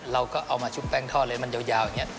เราก็เอามาชุบแป้งทอดเลยมันยาวอย่างนี้